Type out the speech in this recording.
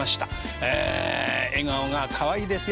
え笑顔がかわいいですよ。